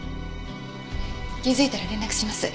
気づいたら連絡します。